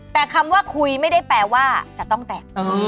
แต่คำว่าคุยไม่ได้แปลว่าจะต้องแต่ง